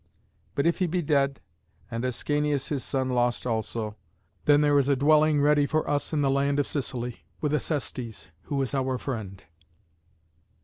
But if he be dead, and Ascanius his son lost also, then there is a dwelling ready for us in the land of Sicily, with Acestes, who is our friend."